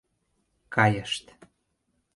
Кайышт.